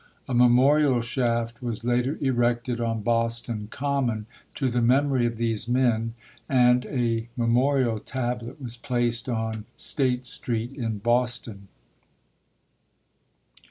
A memorial shaft was later erected on Bos ton Common to the memory of these men, and a memorial tablet was placed on State Street in Boston.